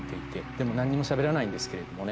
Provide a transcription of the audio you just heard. でも何にもしゃべらないんですけれどもね。